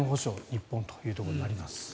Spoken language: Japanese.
日本というところになります。